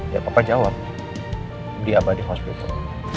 ya papa jawab di abadi hospital